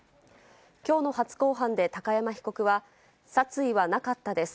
きょうの初公判で高山被告は、殺意はなかったです。